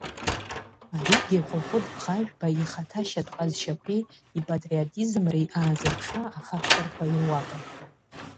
Аригьы Хәыхәыт Бӷажәба ихаҭашьатә ҟазшьақәеи ипатриотизмреи аазырԥшуа афакторқәа ируакын.